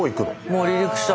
もう離陸した。